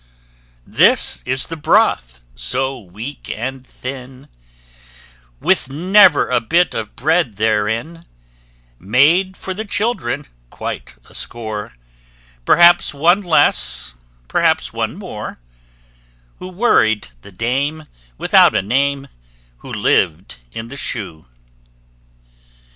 This is the broth so weak and thin, With never a bit of bread therein, Made for the children, quite a score Perhaps one less, perhaps one more Who worried the dame without a name, WHO LIVED IN THE SHOE.